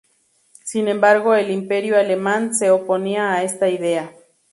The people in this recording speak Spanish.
Sin embargo, el Imperio Alemán se oponía a esta idea.